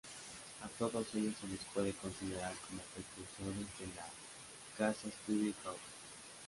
A todos ellos se les puede considerar como precursores de las "Case Study Houses".